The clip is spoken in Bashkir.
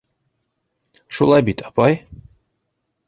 Шулай бит, апай?